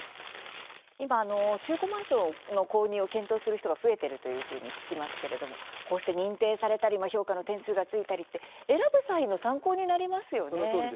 今、中古マンションの購入を検討する人が増えているというふうに聞きますけれどもこうして認定されたり評価の点数がついたりって選ぶ際の参考になりますよね。